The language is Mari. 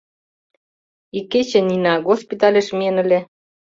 — Икече Нина госпитальыш миен ыле.